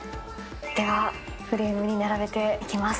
ではフレームに並べていきます。